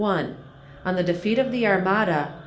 On the Defeat of the Armada